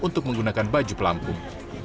untuk menggunakan baju pelampung